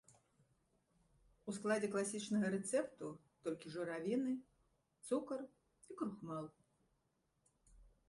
У складзе класічнага рэцэпту толькі журавіны, цукар і крухмал.